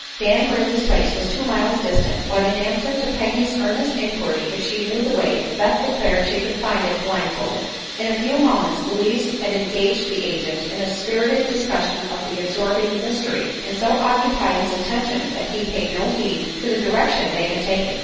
Dan Brayley's place was two miles distant, but in answer to Peggy's earnest inquiry if she knew the way Beth declared she could find it blind folded. In a few moments Louise had engaged the agent in a spirited discussion of the absorbing "mystery" and so occupied his attention that he paid no heed to the direction they had taken.